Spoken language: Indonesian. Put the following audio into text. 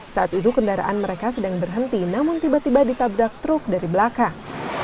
saat itu kendaraan mereka sedang berhenti namun tiba tiba ditabrak truk dari belakang